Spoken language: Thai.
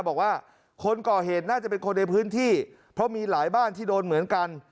บอกว่าคนก่อเหตุน่าจะเป็นคนในพื้นที่เพราะมีหลายบ้านที่โดนเหมือนกัน